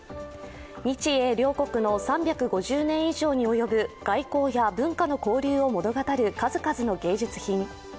日英両国の３５０年以上に及ぶ外交や文化の交流を物語る数々の芸術品。